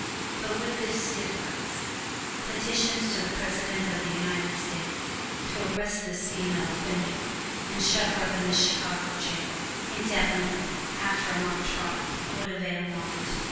But with this difference: petitions to the President of the United States to arrest this female offender and shut her up in the Chicago jail, indefinitely, after a mock trial, would avail not.